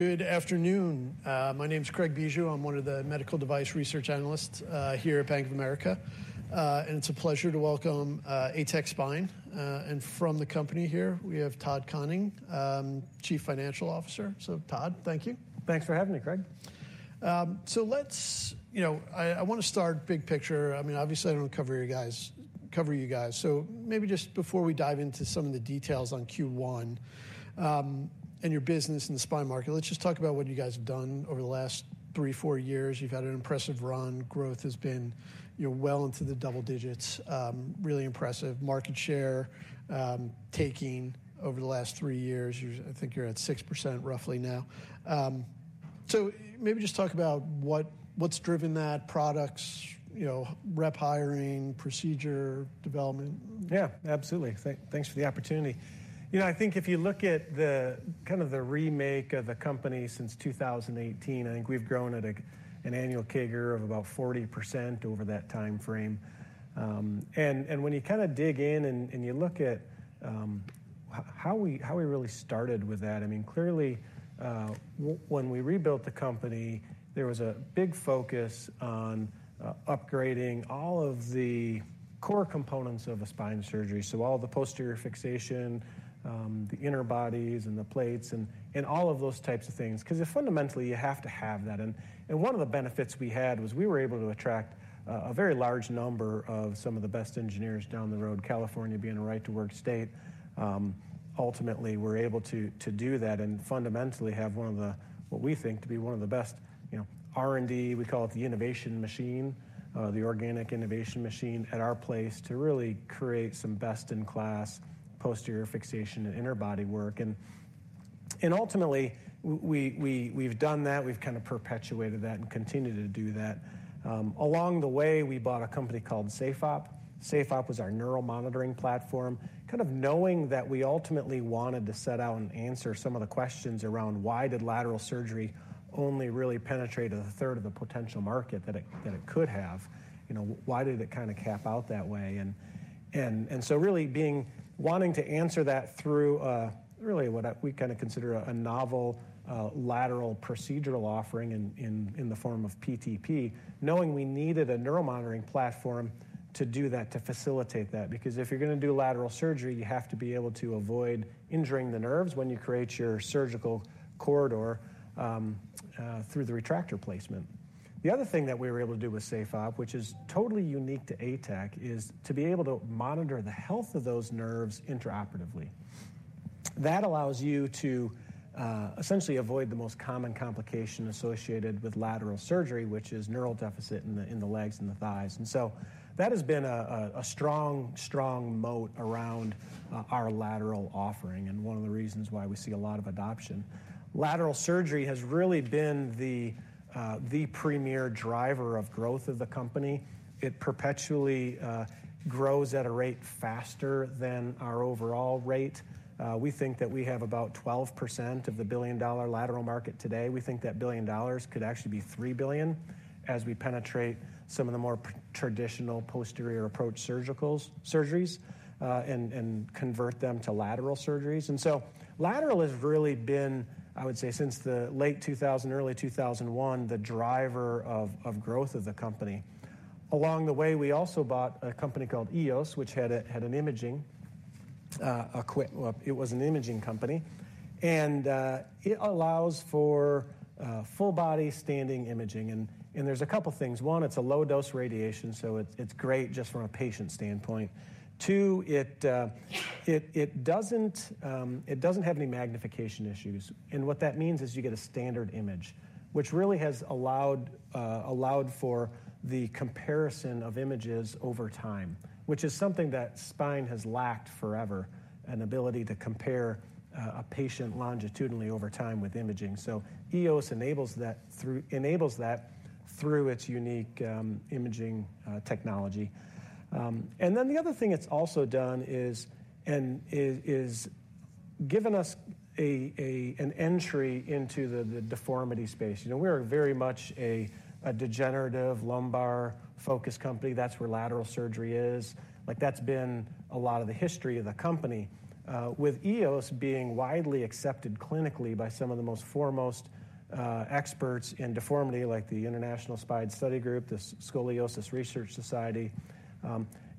Good afternoon. My name is Craig Bijou. I'm one of the medical device research analysts here at Bank of America. And it's a pleasure to welcome ATEC Spine. And from the company here, we have Todd Koning, Chief Financial Officer. So Todd, thank you. Thanks for having me, Craig. So let's— You know, I wanna start big picture. I mean, obviously, I don't cover you guys. So maybe just before we dive into some of the details on Q1 and your business in the spine market, let's just talk about what you guys have done over the last three, four years. You've had an impressive run. Growth has been, you know, well into the double digits, really impressive. Market share taking over the last three years. I think you're at 6% roughly now. So maybe just talk about what's driven that products, you know, rep hiring, procedure development? Yeah, absolutely. Thanks for the opportunity. You know, I think if you look at the kind of the remake of the company since 2018, I think we've grown at an annual CAGR of about 40% over that time frame. And when you kinda dig in and you look at how we really started with that, I mean, clearly, when we rebuilt the company, there was a big focus on upgrading all of the core components of a spine surgery. So all the posterior fixation, the interbodies and the plates and all of those types of things, 'cause fundamentally, you have to have that. One of the benefits we had was we were able to attract a very large number of some of the best engineers down the road, California being a right to work state. Ultimately, we're able to do that and fundamentally have one of the—what we think to be one of the best, you know, R&D. We call it the innovation machine, the organic innovation machine at our place to really create some best-in-class posterior fixation and interbody work. Ultimately, we, we've done that, we've kind of perpetuated that and continued to do that. Along the way, we bought a company called SafeOp. SafeOp was our neural monitoring platform, kind of knowing that we ultimately wanted to set out and answer some of the questions around why did lateral surgery only really penetrate a third of the potential market that it could have? You know, why did it kinda cap out that way? And so really being wanting to answer that through really what we kinda consider a novel lateral procedural offering in the form of PTP, knowing we needed a neuromonitoring platform to do that, to facilitate that. Because if you're gonna do lateral surgery, you have to be able to avoid injuring the nerves when you create your surgical corridor through the retractor placement. The other thing that we were able to do with SafeOp, which is totally unique to ATEC, is to be able to monitor the health of those nerves intraoperatively. That allows you to essentially avoid the most common complication associated with lateral surgery, which is neural deficit in the, in the legs and the thighs. And so that has been a, a, a strong, strong moat around our lateral offering, and one of the reasons why we see a lot of adoption. Lateral surgery has really been the premier driver of growth of the company. It perpetually grows at a rate faster than our overall rate. We think that we have about 12% of the billion-dollar lateral market today. We think that $1 billion could actually be $3 billion as we penetrate some of the more traditional posterior approach surgeries, and convert them to lateral surgeries. And so lateral has really been, I would say, since the late 2000, early 2001, the driver of growth of the company. Along the way, we also bought a company called EOS, which had an imaging. Well, it was an imaging company, and it allows for full-body standing imaging. And there's a couple things: One, it's a low-dose radiation, so it's great just from a patient standpoint. Two, it doesn't have any magnification issues. What that means is you get a standard image, which really has allowed for the comparison of images over time, which is something that spine has lacked forever, an ability to compare a patient longitudinally over time with imaging. So EOS enables that through its unique imaging technology. And then the other thing it's also done is given us an entry into the deformity space. You know, we're very much a degenerative lumbar-focused company. That's where lateral surgery is. Like, that's been a lot of the history of the company. With EOS being widely accepted clinically by some of the most foremost experts in deformity, like the International Spine Study Group, the Scoliosis Research Society,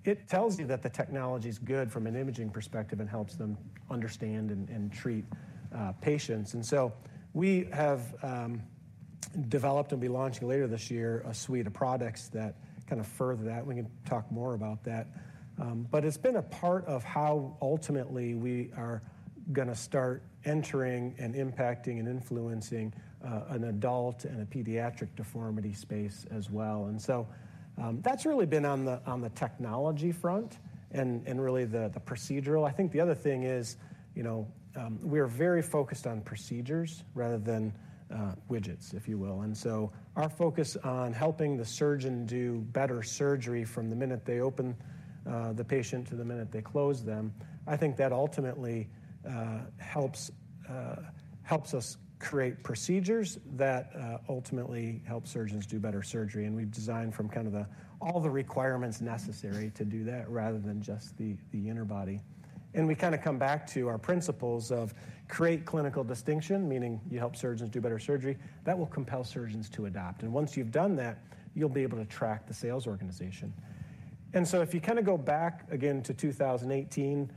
it tells you that the technology is good from an imaging perspective and helps them understand and treat patients. And so we have developed and'll be launching later this year a suite of products that kind of further that. We can talk more about that. But it's been a part of how ultimately we are gonna start entering and impacting and influencing an adult and a pediatric deformity space as well. And so, that's really been on the technology front and really the procedural. I think the other thing is, you know, we are very focused on procedures rather than widgets, if you will. And so our focus on helping the surgeon do better surgery from the minute they open the patient to the minute they close them. I think that ultimately helps us create procedures that ultimately help surgeons do better surgery. And we've designed from kind of all the requirements necessary to do that, rather than just the interbody. And we kinda come back to our principles of create clinical distinction, meaning you help surgeons do better surgery. That will compel surgeons to adopt, and once you've done that, you'll be able to track the sales organization. And so if you kind of go back again to 2018,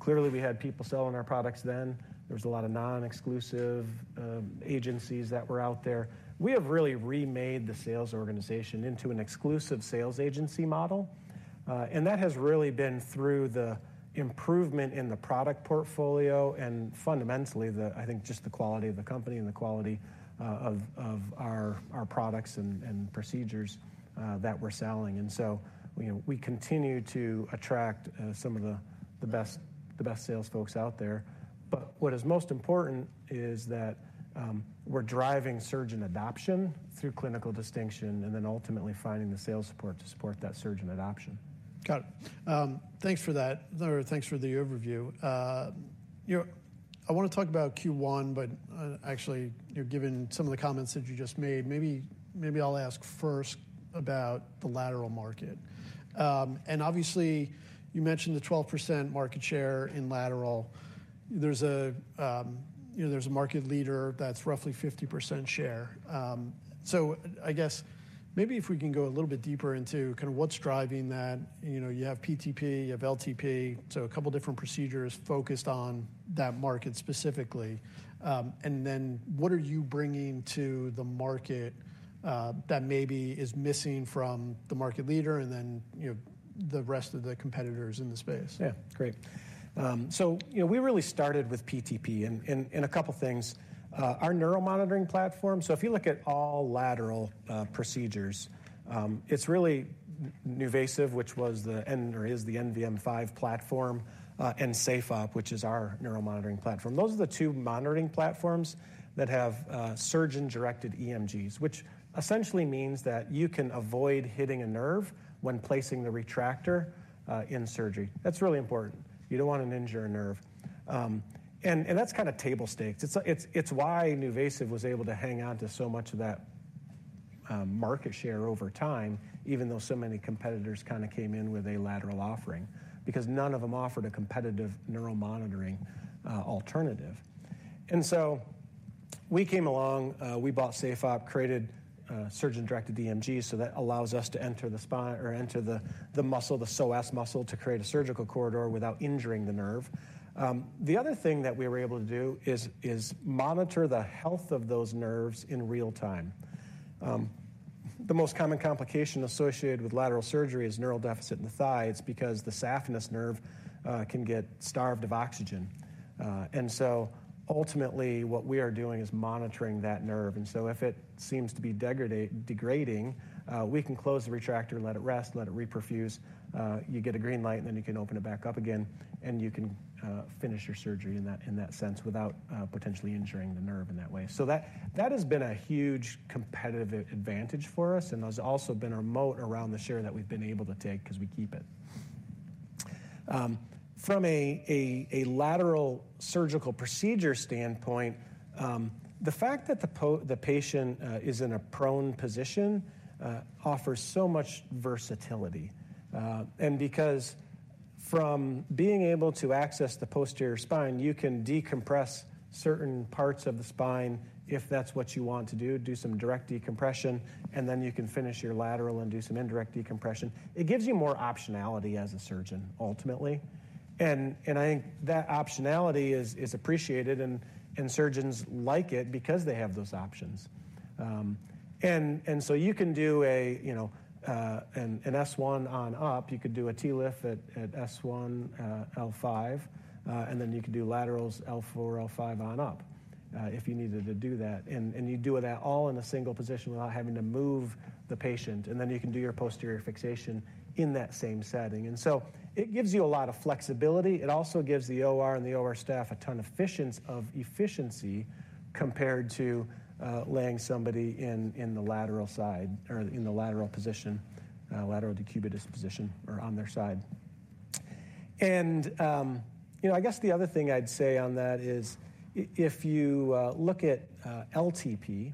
clearly we had people selling our products then. There was a lot of non-exclusive agencies that were out there. We have really remade the sales organization into an exclusive sales agency model. And that has really been through the improvement in the product portfolio and fundamentally, the, I think just the quality of the company and the quality of our products and procedures that we're selling. And so, you know, we continue to attract some of the best sales folks out there. But what is most important is that we're driving surgeon adoption through clinical distinction, and then ultimately finding the sales support to support that surgeon adoption. Got it. Thanks for that. Or thanks for the overview. You know, I wanna talk about Q1, but actually, you know, given some of the comments that you just made, maybe, maybe I'll ask first about the lateral market. And obviously, you mentioned the 12% market share in lateral. You know, there's a market leader that's roughly 50% share. So I guess maybe if we can go a little bit deeper into kind of what's driving that. You know, you have PTP, you have LTP, so a couple of different procedures focused on that market specifically. And then what are you bringing to the market that maybe is missing from the market leader and then, you know, the rest of the competitors in the space? Yeah, great. So, you know, we really started with PTP in a couple of things. Our neuromonitoring platform. So if you look at all lateral procedures, it's really NuVasive, which was the, and or is the NVM5 platform, and SafeOp, which is our neuromonitoring platform. Those are the two monitoring platforms that have surgeon-directed EMGs, which essentially means that you can avoid hitting a nerve when placing the retractor in surgery. That's really important. You don't want to injure a nerve. And that's kind of table stakes. It's why NuVasive was able to hang on to so much of that market share over time, even though so many competitors kind of came in with a lateral offering, because none of them offered a competitive neuromonitoring alternative. And so we came along, we bought SafeOp, created surgeon-directed EMG, so that allows us to enter the spine or enter the muscle, the psoas muscle, to create a surgical corridor without injuring the nerve. The other thing that we were able to do is monitor the health of those nerves in real time. The most common complication associated with lateral surgery is neural deficit in the thigh. It's because the saphenous nerve can get starved of oxygen. And so ultimately, what we are doing is monitoring that nerve. And so if it seems to be degrading, we can close the retractor, let it rest, let it reperfuse. You get a green light, and then you can open it back up again, and you can finish your surgery in that, in that sense, without potentially injuring the nerve in that way. So that has been a huge competitive advantage for us, and has also been a moat around the share that we've been able to take because we keep it. From a lateral surgical procedure standpoint, the fact that the patient is in a prone position offers so much versatility. And because from being able to access the posterior spine, you can decompress certain parts of the spine if that's what you want to do, do some direct decompression, and then you can finish your lateral and do some indirect decompression. It gives you more optionality as a surgeon, ultimately. I think that optionality is appreciated, and surgeons like it because they have those options. So you can do a, you know, an S1 on up. You could do a TLIF at S1, L5, and then you could do laterals L4, L5 on up, if you needed to do that. You do that all in a single position without having to move the patient, and then you can do your posterior fixation in that same setting. So it gives you a lot of flexibility. It also gives the OR and the OR staff a ton of efficiency compared to laying somebody in the lateral side or in the lateral position, lateral decubitus position or on their side. You know, I guess the other thing I'd say on that is if you look at LTP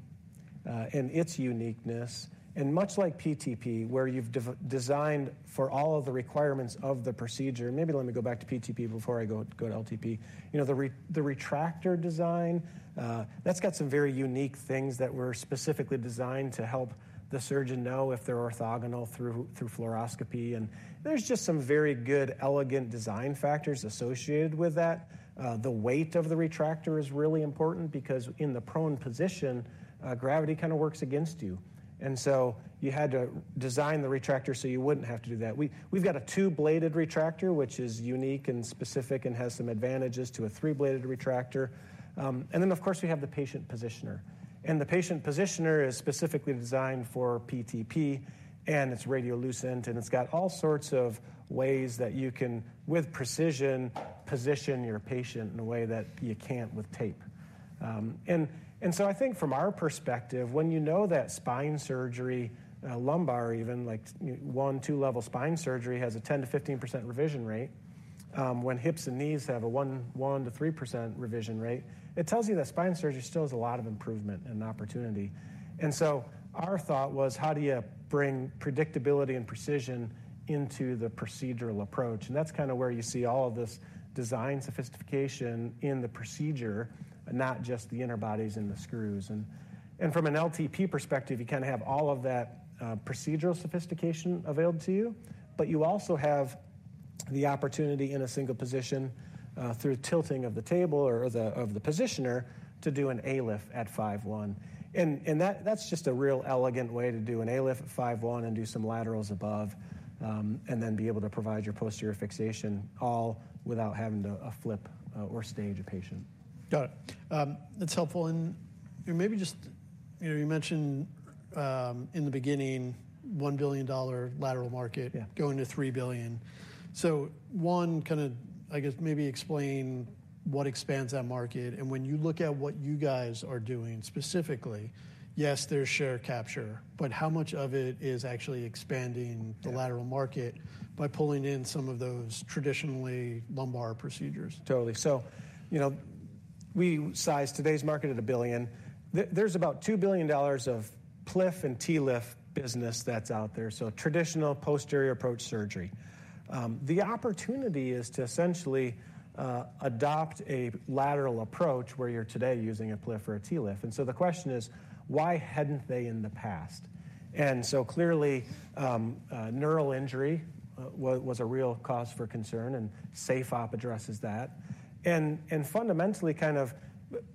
and its uniqueness, and much like PTP, where you've designed for all of the requirements of the procedure. Maybe let me go back to PTP before I go to LTP. You know, the retractor design that's got some very unique things that were specifically designed to help the surgeon know if they're orthogonal through fluoroscopy. And there's just some very good, elegant design factors associated with that. The weight of the retractor is really important because in the prone position, gravity kind of works against you. And so you had to design the retractor, so you wouldn't have to do that. We've got a two-bladed retractor, which is unique and specific and has some advantages to a three-bladed retractor. And then, of course, we have the patient positioner. And the patient positioner is specifically designed for PTP, and it's radiolucent, and it's got all sorts of ways that you can, with precision, position your patient in a way that you can't with tape. And so I think from our perspective, when you know that spine surgery, lumbar, even like 1-2-level spine surgery, has a 10%-15% revision rate, when hips and knees have a 1%-3% revision rate, it tells you that spine surgery still has a lot of improvement and opportunity. And so our thought was, how do you bring predictability and precision into the procedural approach? And that's kind of where you see all of this design sophistication in the procedure, not just the interbodies and the screws. And from an LTP perspective, you kind of have all of that procedural sophistication available to you, but you also have the opportunity in a single position through tilting of the table or the positioner to do an ALIF at L5-S1. And that's just a real elegant way to do an ALIF at L5-S1 and do some laterals above, and then be able to provide your posterior fixation, all without having to flip or stage a patient. Got it. That's helpful. Maybe just, you know, you mentioned in the beginning, $1 billion lateral market- Yeah. -going to $3 billion. So, one, kinda, I guess, maybe explain what expands that market, and when you look at what you guys are doing specifically, yes, there's share capture, but how much of it is actually expanding- Yeah The lateral market by pulling in some of those traditionally lumbar procedures? Totally. So, you know, we sized today's market at $1 billion. There's about $2 billion of PLIF and TLIF business that's out there, so traditional posterior approach surgery. The opportunity is to essentially adopt a lateral approach where you're today using a PLIF or a TLIF. And so the question is, why hadn't they in the past? And so clearly, neural injury was a real cause for concern, and SafeOp addresses that. And fundamentally, kind of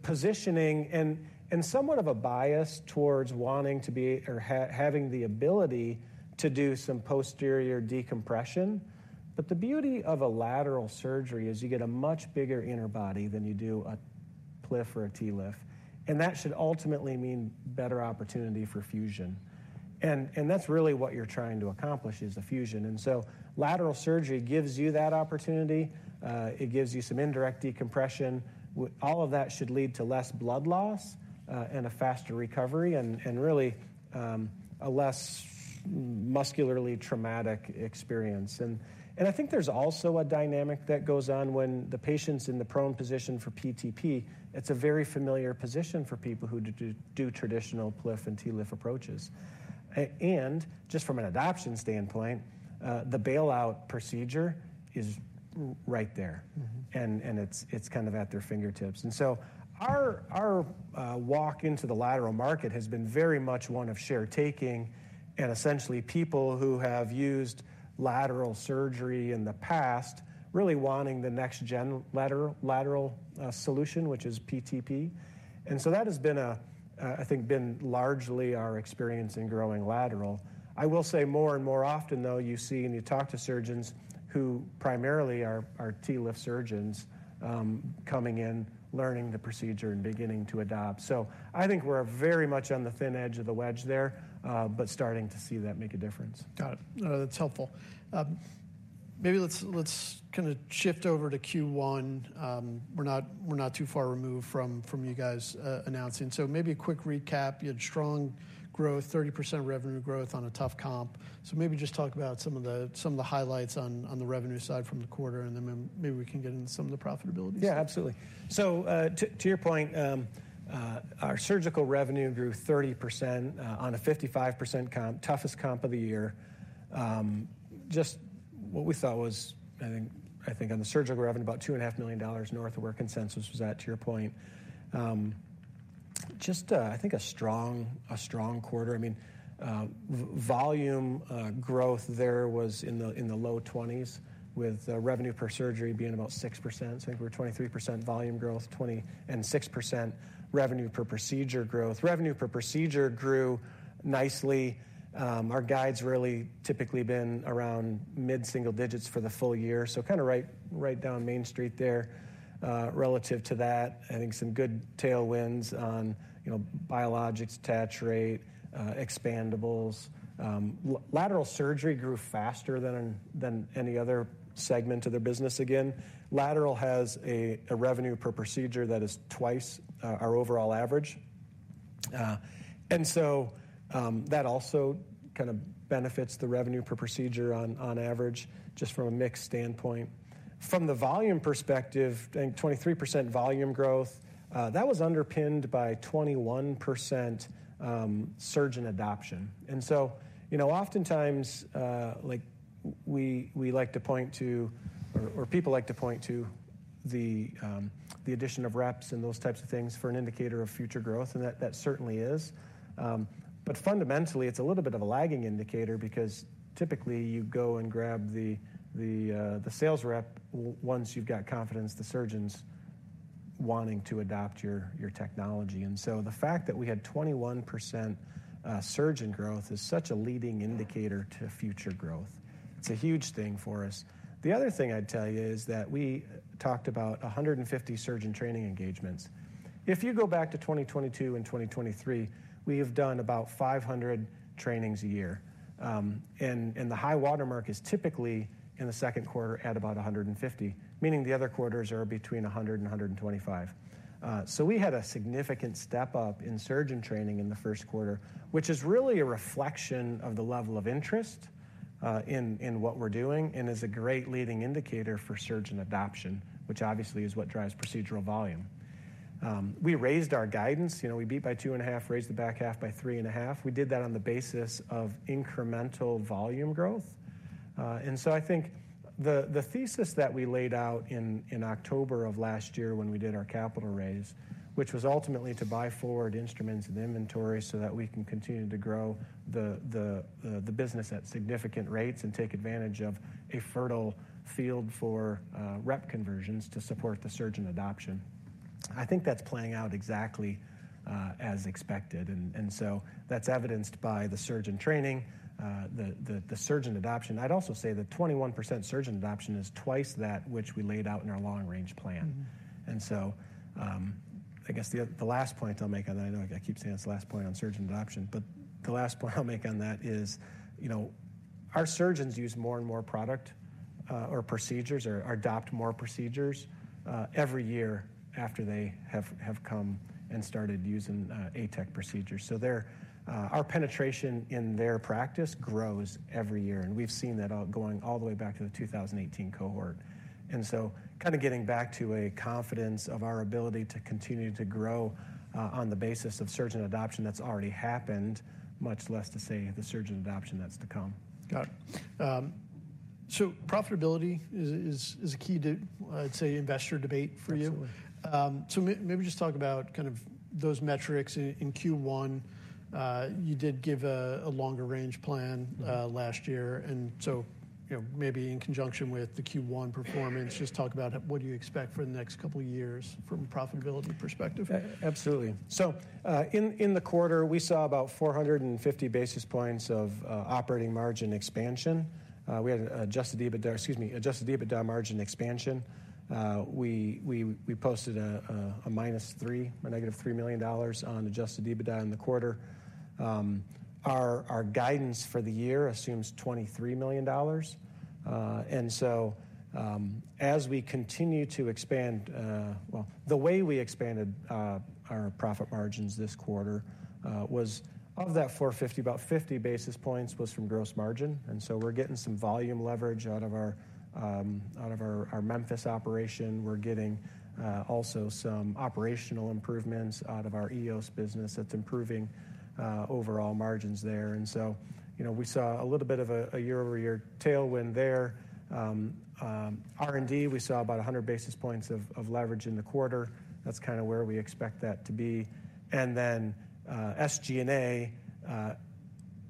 positioning and somewhat of a bias towards wanting to be or having the ability to do some posterior decompression. But the beauty of a lateral surgery is you get a much bigger interbody than you do a PLIF or a TLIF, and that should ultimately mean better opportunity for fusion. And that's really what you're trying to accomplish, is a fusion. And so lateral surgery gives you that opportunity. It gives you some indirect decompression. All of that should lead to less blood loss, and a faster recovery, and, and really, a less muscularly traumatic experience. I think there's also a dynamic that goes on when the patient's in the prone position for PTP. It's a very familiar position for people who do traditional PLIF and TLIF approaches. And just from an adoption standpoint, the bailout procedure is right there. It's kind of at their fingertips. And so our walk into the lateral market has been very much one of share taking, and essentially, people who have used lateral surgery in the past, really wanting the next gen lateral solution, which is PTP. And so that has been, I think, largely our experience in growing lateral. I will say more and more often, though, you see and you talk to surgeons who primarily are TLIF surgeons, coming in, learning the procedure, and beginning to adopt. So I think we're very much on the thin edge of the wedge there, but starting to see that make a difference. Got it. That's helpful. Maybe let's kinda shift over to Q1. We're not too far removed from you guys announcing. So maybe a quick recap. You had strong growth, 30% revenue growth on a tough comp. So maybe just talk about some of the highlights on the revenue side from the quarter, and then maybe we can get into some of the profitability. Yeah, absolutely. So, to your point, our surgical revenue grew 30%, on a 55% comp, toughest comp of the year. Just what we thought was, I think on the surgical revenue, about $2.5 million north of where consensus was at, to your point. Just, I think a strong quarter. I mean, volume growth there was in the low 20s, with revenue per surgery being about 6%. So I think we're 23% volume growth, 26% revenue per procedure growth. Revenue per procedure grew nicely. Our guide's really typically been around mid-single digits for the full year, so kinda right down Main Street there. Relative to that, I think some good tailwinds on, you know, biologics, attach rate, expandables. Lateral surgery grew faster than any other segment of the business again. Lateral has a revenue per procedure that is twice our overall average. And so, that also kind of benefits the revenue per procedure on average, just from a mix standpoint. From the volume perspective, I think 23% volume growth, that was underpinned by 21% surgeon adoption. And so, you know, oftentimes, like, we like to point to or people like to point to the addition of reps and those types of things for an indicator of future growth, and that certainly is. But fundamentally, it's a little bit of a lagging indicator because typically, you go and grab the sales rep once you've got confidence, the surgeons wanting to adopt your technology. So the fact that we had 21% surgeon growth is such a leading indicator to future growth. It's a huge thing for us. The other thing I'd tell you is that we talked about 150 surgeon training engagements. If you go back to 2022 and 2023, we have done about 500 trainings a year. The high-water mark is typically in the second quarter at about 150, meaning the other quarters are between 100 and 125. We had a significant step-up in surgeon training in the first quarter, which is really a reflection of the level of interest in what we're doing, and is a great leading indicator for surgeon adoption, which obviously is what drives procedural volume. We raised our guidance. You know, we beat by 2.5, raised the back half by 3.5. We did that on the basis of incremental volume growth. I think the thesis that we laid out in October of last year when we did our capital raise, which was ultimately to buy forward instruments and inventory so that we can continue to grow the business at significant rates and take advantage of a fertile field for rep conversions to support the surgeon adoption. I think that's playing out exactly as expected. That's evidenced by the surgeon training, the surgeon adoption. I'd also say that 21% surgeon adoption is twice that which we laid out in our long-range plan. And so, I guess the last point I'll make, and I know I keep saying this last point on surgeon adoption, but the last point I'll make on that is, you know, our surgeons use more and more product, or procedures, or adopt more procedures, every year after they have come and started using ATEC procedures. So their, our penetration in their practice grows every year, and we've seen that going all the way back to the 2018 cohort. And so kind of getting back to a confidence of our ability to continue to grow, on the basis of surgeon adoption, that's already happened, much less to say the surgeon adoption that's to come. Got it. Profitability is a key to, I'd say, investor debate for you. Absolutely. So maybe just talk about kind of those metrics in Q1. You did give a longer-range plan last year, and so, you know, maybe in conjunction with the Q1 performance, just talk about what do you expect for the next couple of years from a profitability perspective? Absolutely. So, in the quarter, we saw about 450 basis points of operating margin expansion. We had Adjusted EBITDA, excuse me, Adjusted EBITDA margin expansion. We posted a negative $3 million on Adjusted EBITDA in the quarter. Our guidance for the year assumes $23 million. And so, as we continue to expand... Well, the way we expanded our profit margins this quarter was of that 450, about 50 basis points was from gross margin, and so we're getting some volume leverage out of our Memphis operation. We're getting also some operational improvements out of our EOS business that's improving overall margins there. And so, you know, we saw a little bit of a year-over-year tailwind there. R&D, we saw about 100 basis points of leverage in the quarter. That's kind of where we expect that to be. And then, SG&A,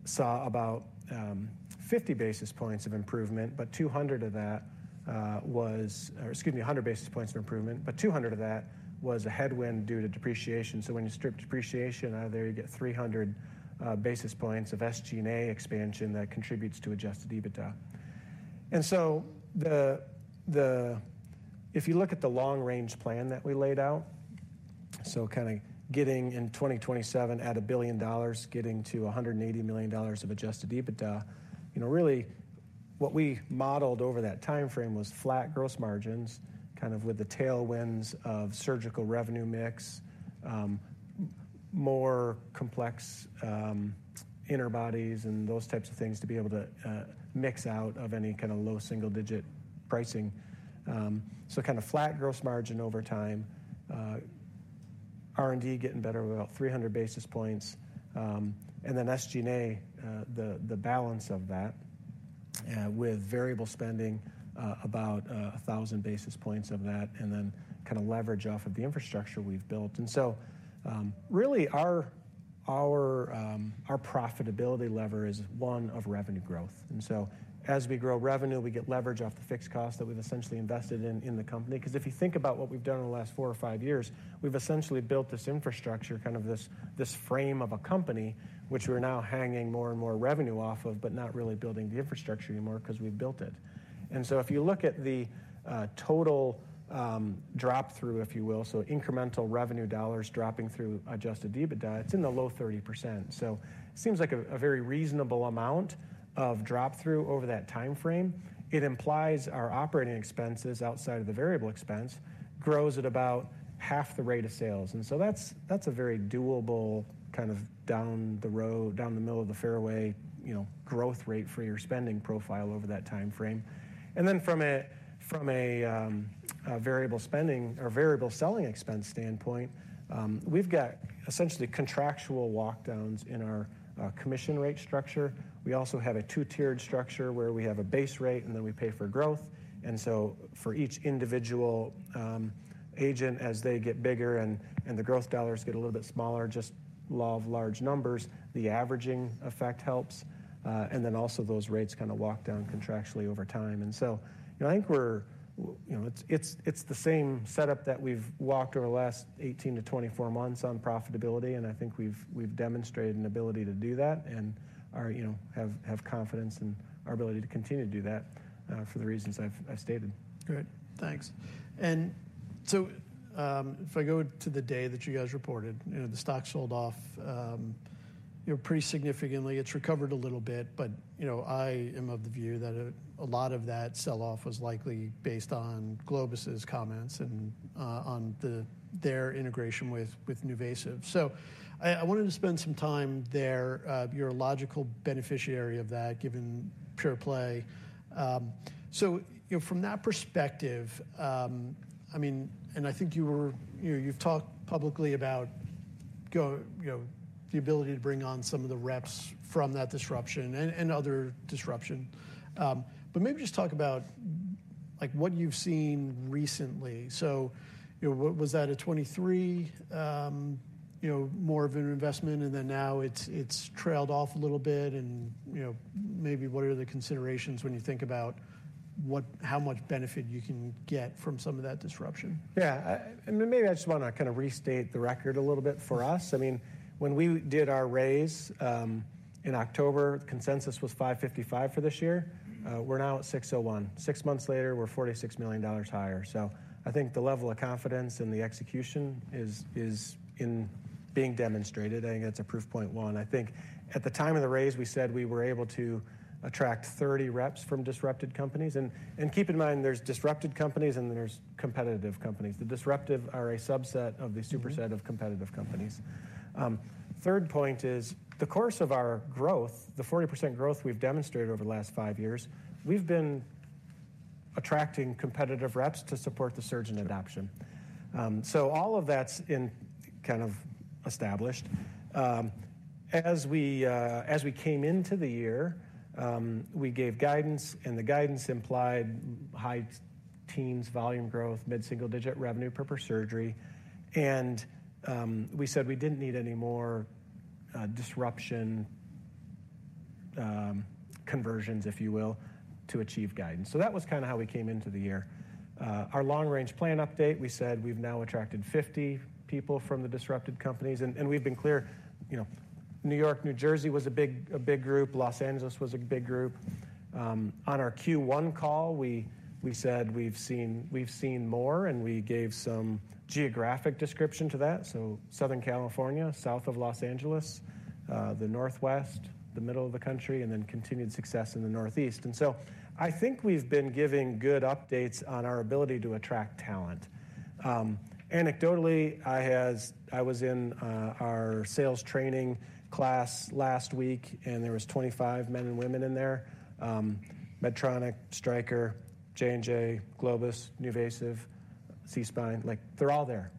saw about 50 basis points of improvement, but 200 of that was, or excuse me, 100 basis points of improvement, but 200 of that was a headwind due to depreciation. So when you strip depreciation out of there, you get 300 basis points of SG&A expansion that contributes to Adjusted EBITDA. So if you look at the long-range plan that we laid out, so kind of getting in 2027 at $1 billion, getting to $180 million of Adjusted EBITDA, you know, really, what we modeled over that timeframe was flat gross margins, kind of with the tailwinds of surgical revenue mix, more complex, interbodies and those types of things, to be able to mix out of any kind of low single-digit pricing. So kind of flat gross margin over time, R&D getting better with about 300 basis points, and then SG&A, the balance of that, with variable spending, about 1,000 basis points of that, and then kind of leverage off of the infrastructure we've built. And so, really, our profitability lever is one of revenue growth. And so as we grow revenue, we get leverage off the fixed cost that we've essentially invested in the company. Because if you think about what we've done in the last 4 or 5 years, we've essentially built this infrastructure, kind of this frame of a company, which we're now hanging more and more revenue off of, but not really building the infrastructure anymore because we've built it. And so if you look at the total drop through, if you will, so incremental revenue dollars dropping through Adjusted EBITDA, it's in the low 30%. So it seems like a very reasonable amount of drop through over that time frame. It implies our operating expenses outside of the variable expense grows at about half the rate of sales. And so that's a very doable kind of down the road, down the middle of the fairway, you know, growth rate for your spending profile over that time frame. And then from a variable spending or variable selling expense standpoint, we've got essentially contractual walk downs in our commission rate structure. We also have a two-tiered structure where we have a base rate, and then we pay for growth. And so for each individual agent, as they get bigger and the growth dollars get a little bit smaller, just law of large numbers, the averaging effect helps, and then also those rates kind of walk down contractually over time. So, you know, I think we're, you know, it's the same setup that we've walked over the last 18-24 months on profitability, and I think we've demonstrated an ability to do that, and are, you know, have confidence in our ability to continue to do that, for the reasons I've stated. Good. Thanks. And so, if I go to the day that you guys reported, you know, the stock sold off, you know, pretty significantly. It's recovered a little bit, but, you know, I am of the view that a lot of that sell-off was likely based on Globus's comments and on their integration with NuVasive. So I wanted to spend some time there, you're a logical beneficiary of that, given pure play. So, you know, from that perspective, I mean, and I think you've talked publicly about you know, the ability to bring on some of the reps from that disruption and other disruption. But maybe just talk about, like, what you've seen recently. So, you know, what was that a 23?... You know, more of an investment, and then now it's, it's trailed off a little bit and, you know, maybe what are the considerations when you think about what-- how much benefit you can get from some of that disruption? Yeah, and maybe I just wanna kind of restate the record a little bit for us. I mean, when we did our raise, in October, consensus was 555 for this year. We're now at 601. Six months later, we're $46 million higher. So I think the level of confidence in the execution is, is in being demonstrated, I think that's a proof point one. I think at the time of the raise, we said we were able to attract 30 reps from disrupted companies. And keep in mind, there's disrupted companies and there's competitive companies. The disruptive are a subset of the superset-... of competitive companies. Third point is the course of our growth, the 40% growth we've demonstrated over the last 5 years, we've been attracting competitive reps to support the surgeon adoption. So all of that's in kind of established. As we came into the year, we gave guidance, and the guidance implied high teens volume growth, mid-single-digit revenue per surgery. And we said we didn't need any more disruption, conversions, if you will, to achieve guidance. So that was kinda how we came into the year. Our long-range plan update, we said we've now attracted 50 people from the disrupted companies, and we've been clear, you know, New York, New Jersey was a big group. Los Angeles was a big group. On our Q1 call, we said we've seen more, and we gave some geographic description to that. So Southern California, south of Los Angeles, the Northwest, the middle of the country, and then continued success in the Northeast. And so I think we've been giving good updates on our ability to attract talent. Anecdotally, I was in our sales training class last week, and there was 25 men and women in there. Medtronic, Stryker, J&J, Globus, NuVasive, SeaSpine, like, they're all there.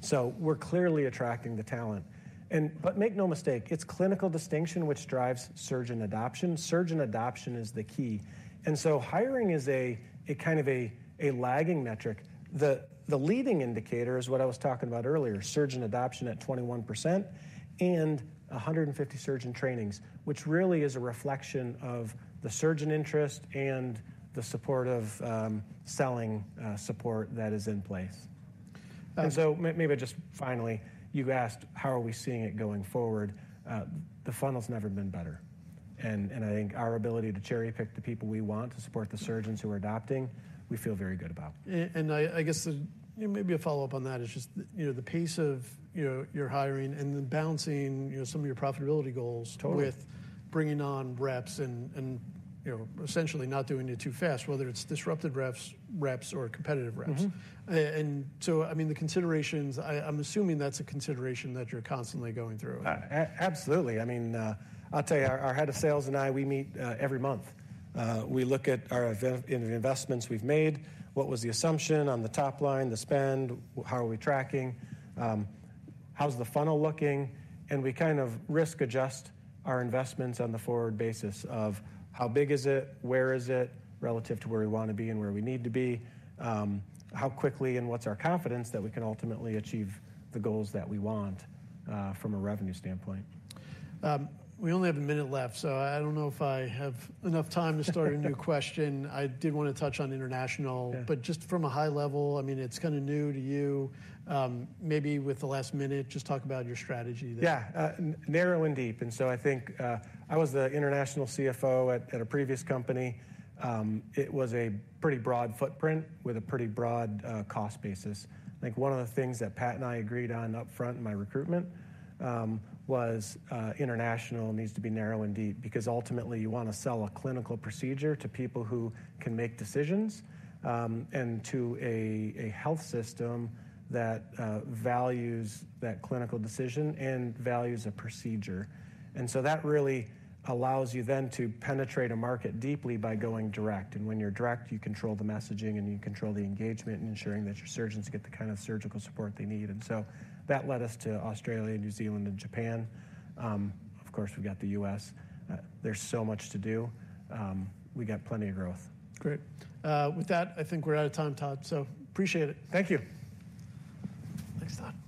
So we're clearly attracting the talent and... But make no mistake, it's clinical distinction which drives surgeon adoption. Surgeon adoption is the key, and so hiring is a kind of lagging metric. The leading indicator is what I was talking about earlier, surgeon adoption at 21% and 150 surgeon trainings, which really is a reflection of the surgeon interest and the support of selling support that is in place. And- And so, maybe just finally, you asked, how are we seeing it going forward? The funnel's never been better. And, and I think our ability to cherry-pick the people we want to support the surgeons who are adopting, we feel very good about. I guess, maybe a follow-up on that is just, you know, the pace of, you know, your hiring and the balancing, you know, some of your profitability goals. Totally... with bringing on reps and, you know, essentially not doing it too fast, whether it's disruptive reps or competitive reps. And so, I mean, the considerations. I'm assuming that's a consideration that you're constantly going through. Absolutely. I mean, I'll tell you, our head of sales and I, we meet every month. We look at the investments we've made, what was the assumption on the top line, the spend? How are we tracking? How's the funnel looking? And we kind of risk adjust our investments on the forward basis of how big is it, where is it relative to where we wanna be and where we need to be? How quickly and what's our confidence that we can ultimately achieve the goals that we want, from a revenue standpoint? We only have a minute left, so I don't know if I have enough time to start a new question. I did wanna touch on international. Yeah. Just from a high level, I mean, it's kinda new to you. Maybe with the last minute, just talk about your strategy there. Yeah, narrow and deep, and so I think, I was the international CFO at a previous company. It was a pretty broad footprint with a pretty broad cost basis. I think one of the things that Pat and I agreed on up front in my recruitment was international needs to be narrow and deep. Because ultimately, you wanna sell a clinical procedure to people who can make decisions, and to a health system that values that clinical decision and values the procedure. And so that really allows you then to penetrate a market deeply by going direct. And when you're direct, you control the messaging, and you control the engagement and ensuring that your surgeons get the kind of surgical support they need. And so that led us to Australia, New Zealand, and Japan. Of course, we've got the U.S. There's so much to do. We got plenty of growth. Great. With that, I think we're out of time, Todd, so appreciate it. Thank you. Thanks, Todd.